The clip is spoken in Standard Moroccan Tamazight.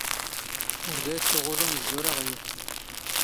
ⵓⵔ ⴷⴰ ⵉⵜⵜⵓⵖⵓⵍ ⵓⵎⵣⵣⵓⵔ ⴰⵖⵢⵓⵍ